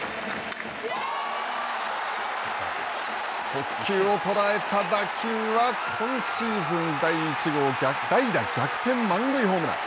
速球を捉えた打球は今シーズン第１号代打逆転満塁ホームラン。